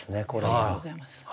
ありがとうございます。